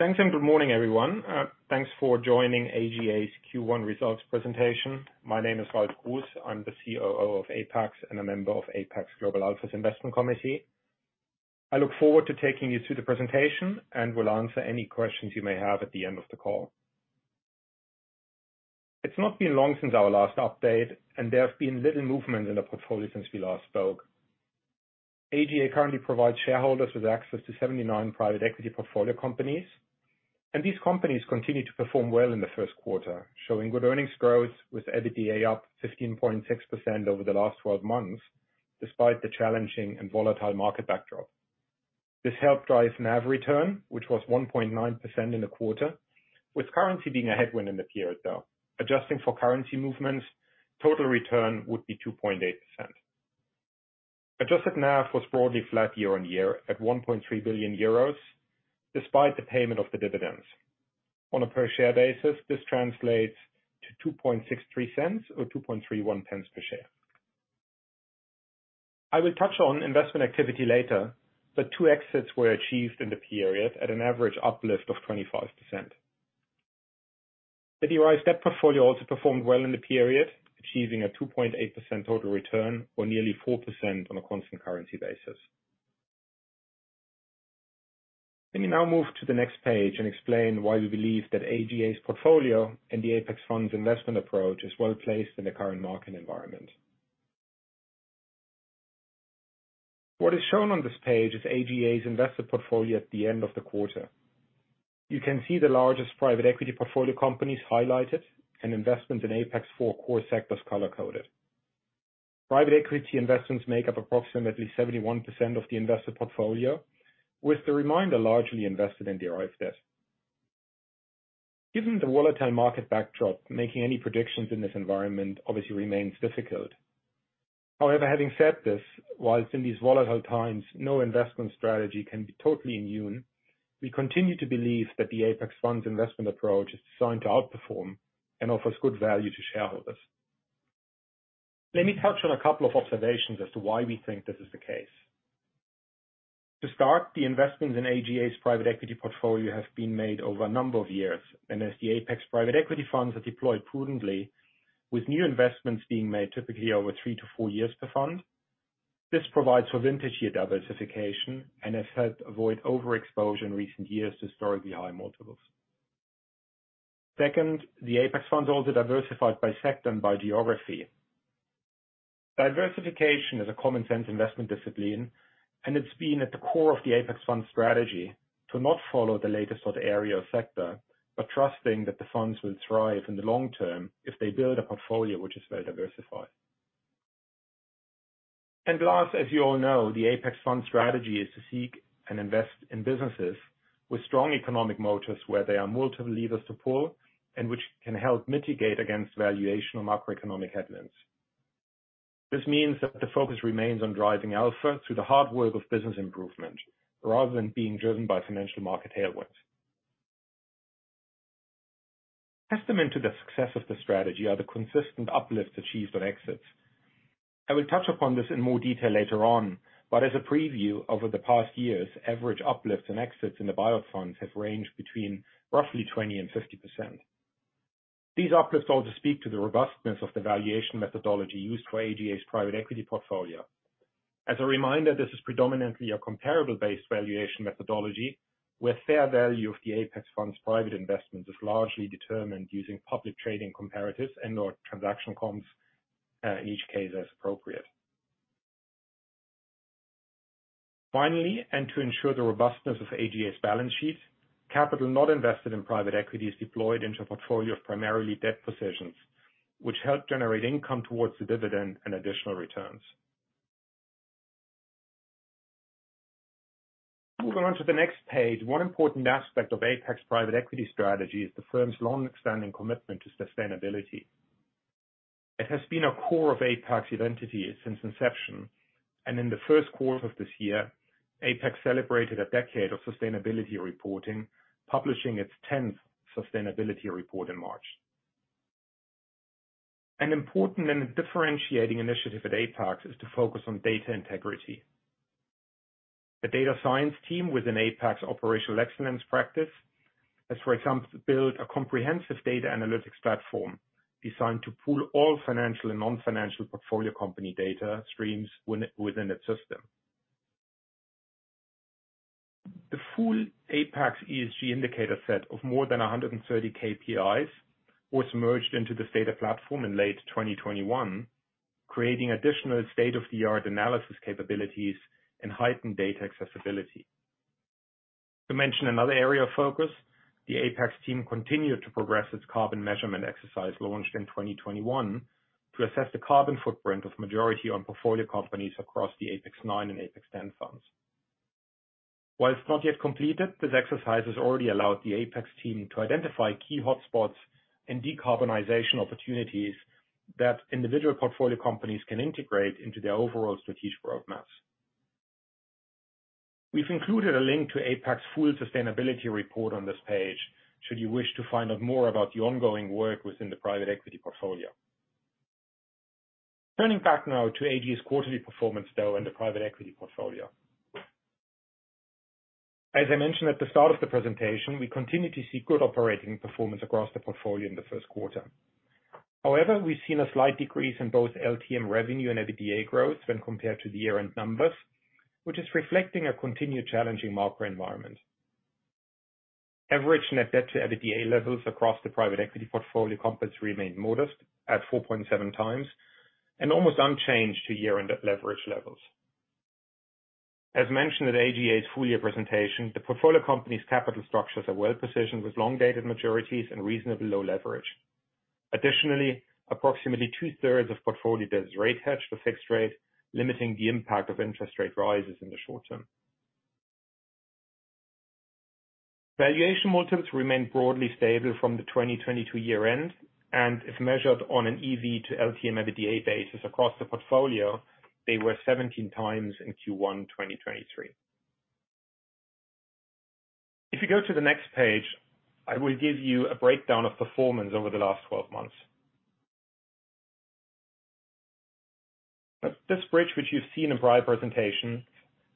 Thanks and good morning, everyone. Thanks for joining AGA's Q1 results presentation. My name is Ralf Gruss. I'm the COO of Apax and a member of Apax Global Alpha's Investment Committee. I look forward to taking you through the presentation, and will answer any questions you may have at the end of the call. It's not been long since our last update, and there have been little movement in the portfolio since we last spoke. AGA currently provides shareholders with access to 79 private equity portfolio companies, and these companies continue to perform well in the first quarter, showing good earnings growth with EBITDA up 15.6% over the last 12 months, despite the challenging and volatile market backdrop. This helped drive NAV return, which was 1.9% in the quarter, with currency being a headwind in the period, though. Adjusting for currency movements, total return would be 2.8%. Adjusted NAV was broadly flat year-over-year at 1.3 billion euros despite the payment of the dividends. On a per share basis, this translates to 0.0263 or 0.0231 per share. I will touch on investment activity later. Two exits were achieved in the period at an average uplift of 25%. The Derived Debt portfolio also performed well in the period, achieving a 2.8% total return or nearly 4% on a constant currency basis. Let me now move to the next page and explain why we believe that AGA's portfolio and the Apax Funds investment approach is well placed in the current market environment. What is shown on this page is AGA's invested portfolio at the end of the quarter. You can see the largest private equity portfolio companies highlighted and investment in Apax four core sectors color-coded. Private equity investments make up approximately 71% of the invested portfolio, with the remainder largely invested in Derived Debt. Given the volatile market backdrop, making any predictions in this environment obviously remains difficult. Having said this, whilst in these volatile times, no investment strategy can be totally immune, we continue to believe that the Apax Funds investment approach is designed to outperform and offers good value to shareholders. Let me touch on a couple of observations as to why we think this is the case. The investments in AGA's private equity portfolio have been made over a number of years, and as the Apax private equity funds are deployed prudently, with new investments being made typically over three to four years to fund. This provides for vintage year diversification and has helped avoid overexposure in recent years to historically high multiples. Second, the Apax Fund is also diversified by sector and by geography. Diversification is a common-sense investment discipline, it's been at the core of the Apax Fund strategy to not follow the latest or the area of sector, but trusting that the funds will thrive in the long term if they build a portfolio which is very diversified. Last, as you all know, the Apax Fund strategy is to seek and invest in businesses with strong economic motors where there are multiple levers to pull and which can help mitigate against valuation or macroeconomic headwinds. This means that the focus remains on driving Alpha through the hard work of business improvement rather than being driven by financial market tailwinds. Testament to the success of the strategy are the consistent uplifts achieved on exits. I will touch upon this in more detail later on, but as a preview, over the past years, average uplifts and exits in the Buyout Funds have ranged between roughly 20% and 50%. These uplifts also speak to the robustness of the valuation methodology used for AGA's private equity portfolio. As a reminder, this is predominantly a comparable-based valuation methodology, where fair value of the Apax Funds private investment is largely determined using public trading comparatives and/or transaction comps, in each case as appropriate. Finally, to ensure the robustness of AGA's balance sheet, capital not invested in private equity is deployed into a portfolio of primarily debt positions, which help generate income towards the dividend and additional returns. Moving on to the next page, one important aspect of Apax private equity strategy is the firm's long-standing commitment to sustainability. It has been a core of Apax identity since inception, and in the first quarter of this year, Apax celebrated a decade of sustainability reporting, publishing its tenth sustainability report in March. An important and differentiating initiative at Apax is to focus on data integrity. The data science team within Apax Operational Excellence has, for example, built a comprehensive data analytics platform designed to pool all financial and non-financial portfolio company data streams within its system. The full Apax ESG indicator set of more than 130 KPIs was merged into this data platform in late 2021, creating additional state-of-the-art analysis capabilities and heightened data accessibility. To mention another area of focus, the Apax team continued to progress its carbon measurement exercise launched in 2021 to assess the carbon footprint of majority on portfolio companies across the Apax IX and Apax X funds. While it's not yet completed, this exercise has already allowed the Apax team to identify key hotspots and decarbonization opportunities that individual portfolio companies can integrate into their overall strategic roadmaps. We've included a link to Apax full sustainability report on this page should you wish to find out more about the ongoing work within the private equity portfolio. Turning back now to AGA's quarterly performance though, and the private equity portfolio. As I mentioned at the start of the presentation, we continue to see good operating performance across the portfolio in the first quarter. We've seen a slight decrease in both LTM revenue and EBITDA growth when compared to the year-end numbers, which is reflecting a continued challenging market environment. Average net debt to EBITDA levels across the private equity portfolio companies remain modest at 4.7x, and almost unchanged to year-end leverage levels. As mentioned at AGA's full year presentation, the portfolio company's capital structures are well-positioned with long dated maturities and reasonably low leverage. Additionally, approximately two-thirds of portfolio debts rate hedge for fixed rate, limiting the impact of interest rate rises in the short term. Valuation multiples remain broadly stable from the 2022 year-end, and if measured on an EV to LTM EBITDA basis across the portfolio, they were 17x in Q1 2023. If you go to the next page, I will give you a breakdown of performance over the last twelve months. This bridge, which you've seen in prior presentation,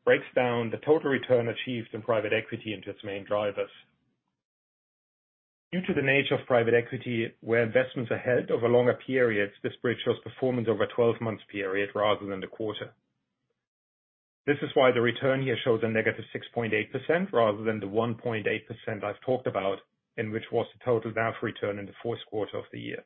breaks down the total return achieved in private equity into its main drivers. Due to the nature of private equity, where investments are held over longer periods, this bridge shows performance over a 12 months period rather than the quarter. This is why the return here shows a -6.8% rather than the 1.8% I've talked about, and which was the total value return in the fourth quarter of the year.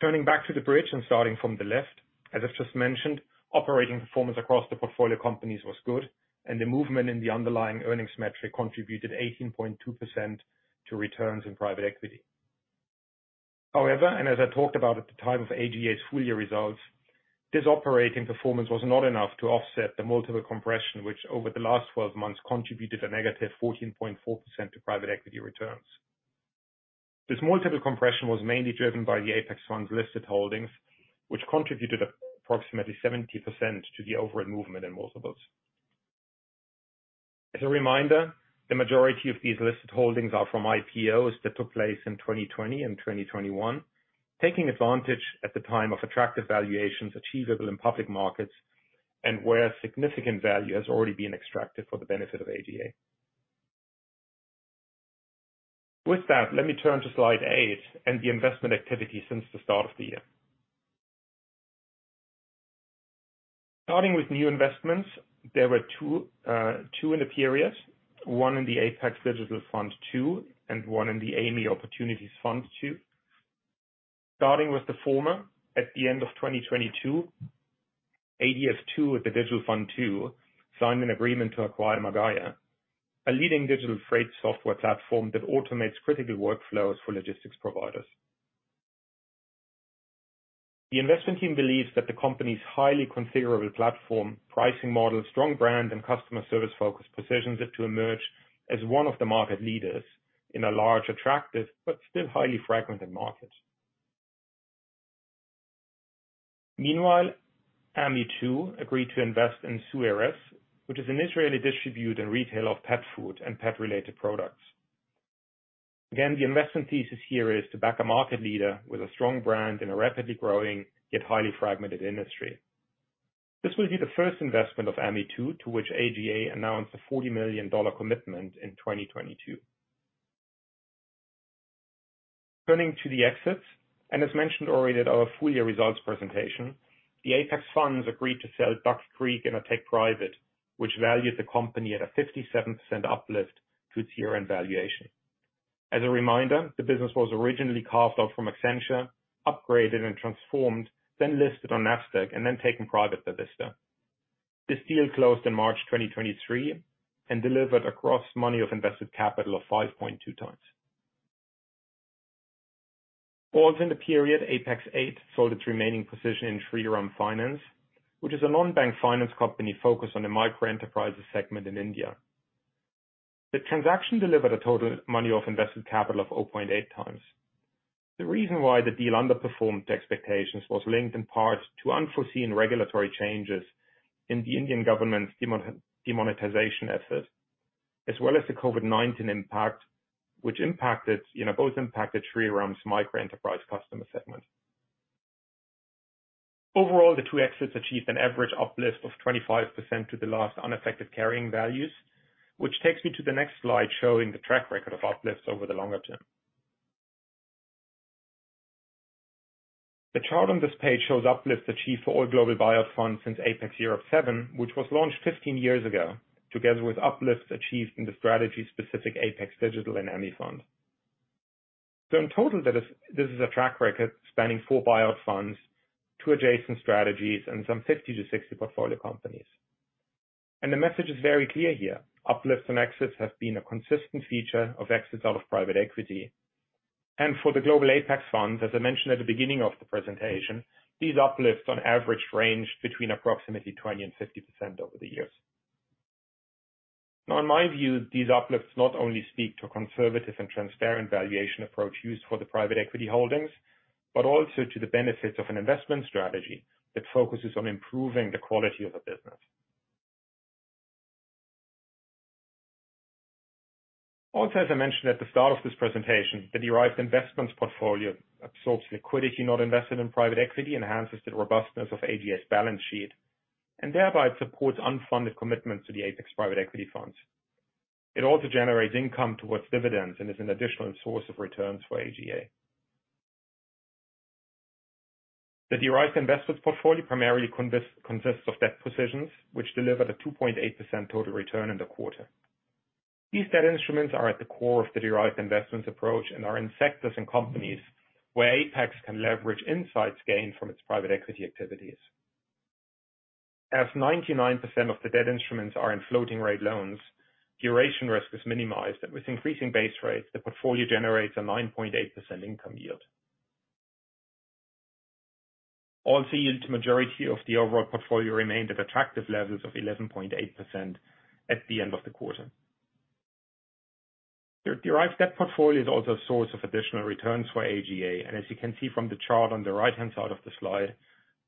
Turning back to the bridge and starting from the left, as I've just mentioned, operating performance across the portfolio companies was good, and the movement in the underlying earnings metric contributed 18.2% to returns in private equity. However, as I talked about at the time of AGA's full year results, this operating performance was not enough to offset the multiple compression, which over the last 12 months contributed a negative 14.4% to private equity returns. This multiple compression was mainly driven by the Apax Funds listed holdings, which contributed approximately 70% to the overall movement in multiples. As a reminder, the majority of these listed holdings are from IPOs that took place in 2020 and 2021. Taking advantage at the time of attractive valuations achievable in public markets and where significant value has already been extracted for the benefit of AGA. With that, let me turn to slide 8 and the investment activity since the start of the year. Starting with new investments, there were two in the period, one in the Apax Digital Fund II, and one in the AMI Opportunities Fund II. Starting with the former, at the end of 2022, ADF II with the Apax Digital Fund II, signed an agreement to acquire Magaya, a leading digital freight software platform that automates critical workflows for logistics providers. The investment team believes that the company's highly configurable platform, pricing model, strong brand, and customer service focus positions it to emerge as one of the market leaders in a large, attractive, but still highly fragmented market. Meanwhile, AMI II agreed to invest in Zoo Eretz, which is an Israeli distribute and retailer of pet food and pet-related products. Again, the investment thesis here is to back a market leader with a strong brand in a rapidly growing, yet highly fragmented industry. This will be the first investment of AMI II, to which AGA announced a $40 million commitment in 2022. Turning to the exits, as mentioned already at our full year results presentation, the Apax Funds agreed to sell Duck Creek in a take-private, which valued the company at a 57% uplift to its year-end valuation. As a reminder, the business was originally carved out from Accenture, upgraded and transformed, then listed on Nasdaq, then taken private by Vista. This deal closed in March 2023 and delivered a gross money of invested capital of 5.2x. Also in the period, Apax VIII sold its remaining position in Shriram Finance, which is a non-bank finance company focused on the micro-enterprises segment in India. The transaction delivered a total money of invested capital of 0.8x. The reason why the deal underperformed expectations was linked in part to unforeseen regulatory changes in the Indian government's demonetization efforts, as well as the COVID-19 impact, which impacted, you know, both impacted Shriram's microenterprise customer segment. Overall, the 2 exits achieved an average uplift of 25% to the last unaffected carrying values, which takes me to the next slide showing the track record of uplifts over the longer term. The chart on this page shows uplifts achieved for all global buyout funds since Apax Europe VII, which was launched 15 years ago, together with uplifts achieved in the strategy-specific Apax Digital Fund and AMI Fund. In total, this is a track record spanning four buyout funds, two adjacent strategies, and some 50-60 portfolio companies. The message is very clear here. Uplifts and exits have been a consistent feature of exits out of private equity. For the Global Apax Funds, as I mentioned at the beginning of the presentation, these uplifts on average range between approximately 20% and 50% over the years. In my view, these uplifts not only speak to a conservative and transparent valuation approach used for the private equity holdings, but also to the benefits of an investment strategy that focuses on improving the quality of a business. As I mentioned at the start of this presentation, the Derived Investments portfolio absorbs liquidity not invested in private equity, enhances the robustness of AGA's balance sheet, and thereby supports unfunded commitments to the Apax private equity funds. It also generates income towards dividends and is an additional source of returns for AGA. The derived investments portfolio primarily consists of debt positions which delivered a 2.8% total return in the quarter. These debt instruments are at the core of the Derived Investments approach and are in sectors and companies where Apax can leverage insights gained from its private equity activities. As 99% of the debt instruments are in floating rate loans, duration risk is minimized, and with increasing base rates, the portfolio generates a 9.8% income yield. All yield majority of the overall portfolio remained at attractive levels of 11.8% at the end of the quarter. The Derived Debt portfolio is also a source of additional returns for AGA, and as you can see from the chart on the right-hand side of the slide,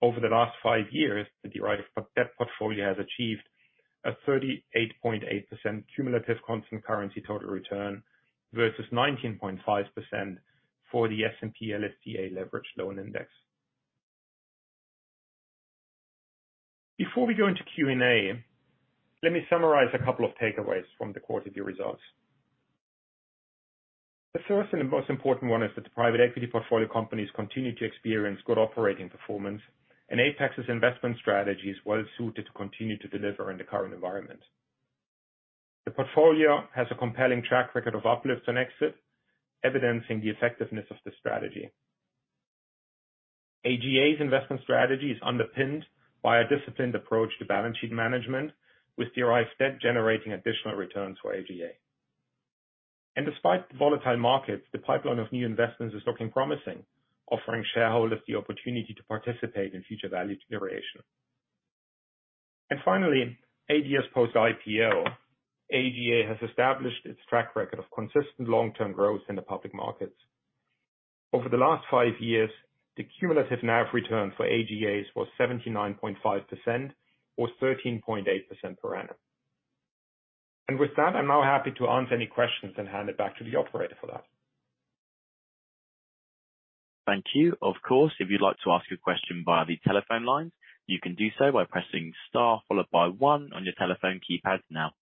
over the last five years, the Derived Debt portfolio has achieved a 38.8% cumulative constant currency total return versus 19.5% for the S&P/LSTA Leveraged Loan Index. Before we go into Q&A, let me summarize a couple of takeaways from the quarterly results. The first and the most important one is that the private equity portfolio companies continue to experience good operating performance, and Apax's investment strategy is well-suited to continue to deliver in the current environment. The portfolio has a compelling track record of uplifts and exits, evidencing the effectiveness of the strategy. AGA's investment strategy is underpinned by a disciplined approach to balance sheet management, with Derived Debt generating additional returns for AGA. Despite the volatile markets, the pipeline of new investments is looking promising, offering shareholders the opportunity to participate in future value generation. Finally, AGA's post-IPO, AGA has established its track record of consistent long-term growth in the public markets. Over the last five years, the cumulative NAV return for AGAs was 79.5% or 13.8% per annum. With that, I'm now happy to answer any questions and hand it back to the operator for that. Thank you. Of course, if you'd like to ask a question via the telephone lines, you can do so by pressing star followed by one on your telephone keypad now.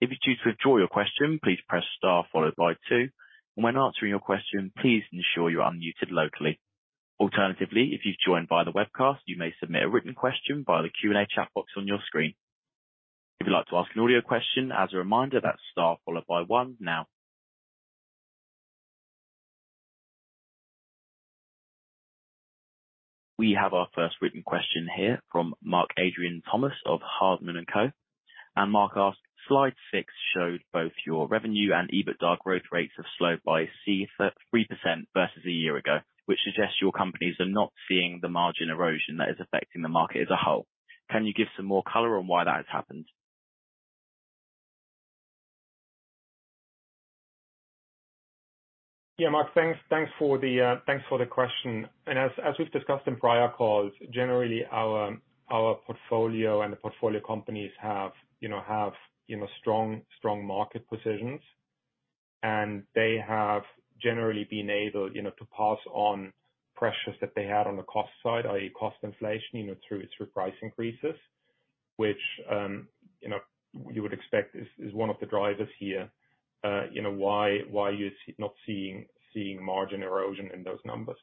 If you choose to withdraw your question, please press star followed by two. When answering your question, please ensure you're unmuted locally. Alternatively, if you've joined via the webcast, you may submit a written question via the Q&A chat box on your screen. If you'd like to ask an audio question, as a reminder, that's star followed by one now. We have our first written question here from Mark Adrian Thomas of Hardman & Co. Mark asks, "Slide 6 showed both your revenue and EBITDA growth rates have slowed by 3% versus a year ago, which suggests your companies are not seeing the margin erosion that is affecting the market as a whole. Can you give some more color on why that has happened? Yeah, Mark. Thanks for the question. As we've discussed in prior calls, generally our portfolio and the portfolio companies have, you know, strong market positions. They have generally been able, you know, to pass on pressures that they had on the cost side, i.e. cost inflation, you know, through price increases, which, you know, you would expect is one of the drivers here. You know, why you're not seeing margin erosion in those numbers.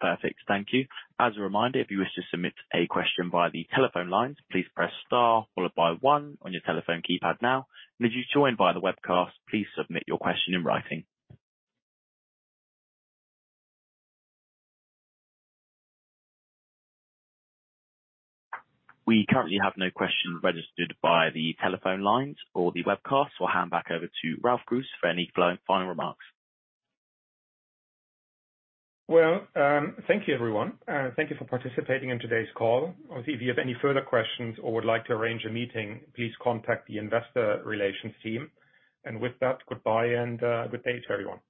Perfect. Thank you. As a reminder, if you wish to submit a question via the telephone lines, please press star followed by one on your telephone keypad now. If you joined via the webcast, please submit your question in writing. We currently have no questions registered via the telephone lines or the webcast. We'll hand back over to Ralf Gruss for any final remarks. Well, thank you everyone. Thank you for participating in today's call. If you have any further questions or would like to arrange a meeting, please contact the investor relations team. With that, goodbye, and good day to everyone.